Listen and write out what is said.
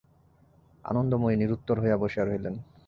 আনন্দময়ী নিরুত্তর হইয়া বসিয়া রহিলেন।